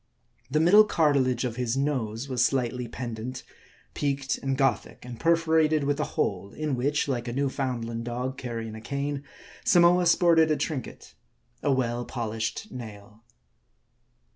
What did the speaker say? The middle cartilage of his nose was slightly pendent, peaked, and Gothic, and perforated with a hole ; in which, like a Newfoundland dog carrying a cane, Samoa sported a trinket : a well polished nail.